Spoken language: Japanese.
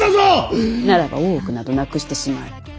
ならば大奥などなくしてしまえ。